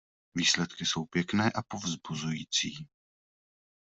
Výsledky jsou pěkné a povzbuzující.